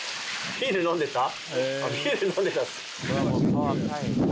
ビール飲んでたんすか。